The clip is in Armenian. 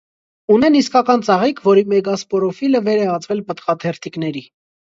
Ունեն իսկական ծաղիկ, որի մեգասպորոֆիլը վեր է ածվել պտղաթերթիկների։